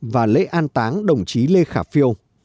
và lễ an táng đồng chí lê khả phiêu